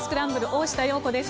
大下容子です。